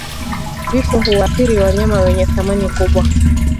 vifo huwaathiri wanyama wenye thamani kubwa